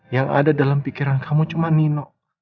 yang ada dalam pikiran kamu cuma nino